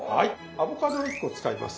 アボカドを１個使います。